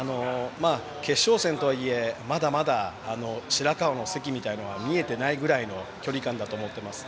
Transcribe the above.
決勝戦とはいえ、まだまだ白河の関みたいなのは見えてないくらいの距離感だと思っています。